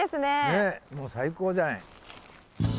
ねえもう最高じゃない。